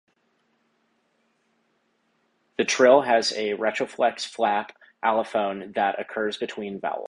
The trill has a retroflex flap allophone that occurs between vowels.